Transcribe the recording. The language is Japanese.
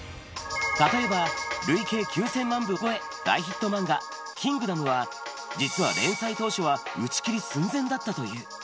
例えば累計９０００万部超え、大ヒット漫画、キングダムは、実は連載当初は打ち切り寸前だったという。